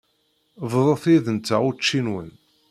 Bḍut yid-nteɣ učči-nwen.